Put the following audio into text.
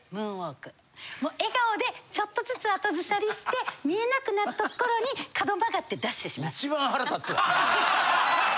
笑顔でちょっとずつ後ずさりして見えなくなった頃に角まがってダッシュします。